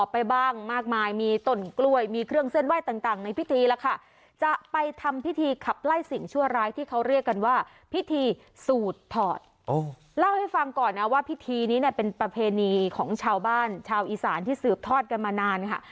เพราะว่าพอทำบุญให้กับวัวเหล่านี้เรียบร้อยนะคะ